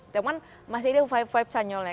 tapi kan masih ada vibe vibe chanyeolnya